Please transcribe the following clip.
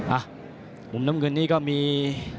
อ่ะมุมน้ำเงินนี้ก็มี